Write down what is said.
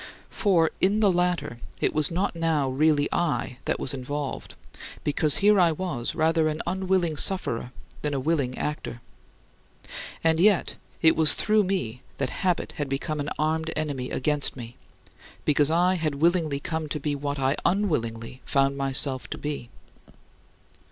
For in the latter it was not now really I that was involved, because here I was rather an unwilling sufferer than a willing actor. And yet it was through me that habit had become an armed enemy against me, because I had willingly come to be what I unwillingly found myself to be.